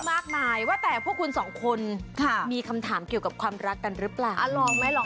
มากมายว่าแต่พวกคุณสองคนค่ะมีคำถามเกี่ยวกับความรักกันหรือเปล่าลองไหมลอง